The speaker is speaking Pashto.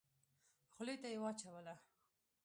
خولې ته يې واچوله.